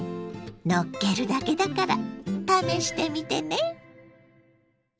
のっけるだけだから試してみてね。